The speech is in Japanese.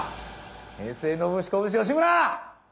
平成ノブシコブシ吉村！